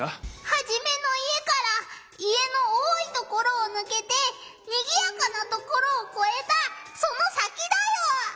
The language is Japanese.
ハジメの家から家の多いところをぬけてにぎやかなところをこえたその先だよ！